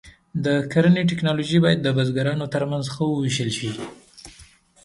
د کرنې ټکنالوژي باید د بزګرانو تر منځ ښه وویشل شي.